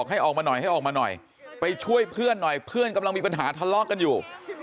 ให้ออกมาหน่อยให้ออกมาหน่อยไปช่วยเพื่อนหน่อยเพื่อนกำลังมีปัญหาทะเลาะกันอยู่